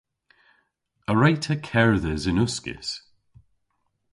A wre'ta kerdhes yn uskis?